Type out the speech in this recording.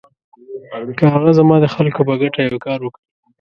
که هغه زما د خلکو په ګټه یو کار وکړي.